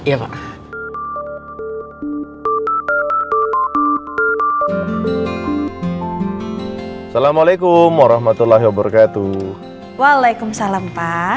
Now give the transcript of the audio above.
assalamualaikum warahmatullahi wabarakatuh waalaikumsalam pak